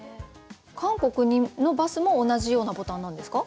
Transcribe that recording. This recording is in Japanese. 韓国のバスも同じようなボタンなんですか？